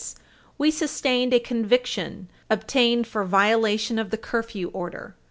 S. 81, we sustained a conviction obtained for violation of the curfew order.